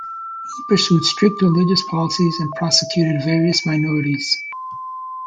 He pursued strict religious policies and persecuted various minorities.